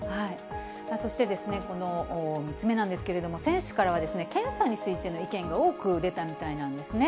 そして、この３つ目なんですけれども、選手からは検査についての意見が多く出たみたいなんですね。